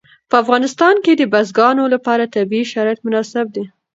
په افغانستان کې د بزګانو لپاره طبیعي شرایط مناسب دي.